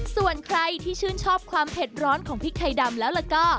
ส่วนใครที่ชื่นชอบความเผ็ดร้อนของพริกไทยดำแล้วก็